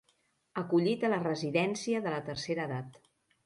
Acollit a la residència de la tercera edat.